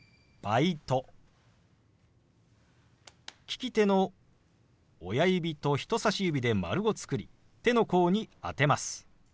利き手の親指と人さし指で丸を作り手の甲に当てます。